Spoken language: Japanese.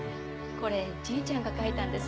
「これじいちゃんがかいたんです」